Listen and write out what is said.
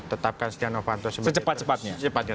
tetapkan siti ravanto secepat cepatnya